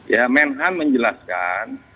ya menhan menjelaskan